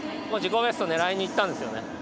ベスト狙いにいったんですよね。